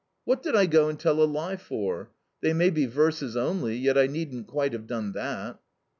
What did I go and tell a lie for? They may be verses only, yet I needn't quite have done that."